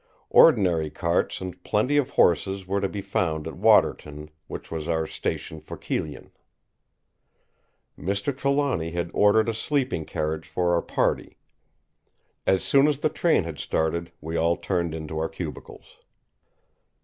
Ordinary carts and plenty of horses were to be found at Westerton, which was our station for Kyllion. Mr. Trelawny had ordered a sleeping carriage for our party; as soon as the train had started we all turned into our cubicles.